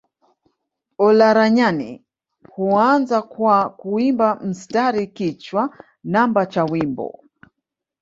Olaranyani huanza kwa kuimba mstari kichwa namba cha wimbo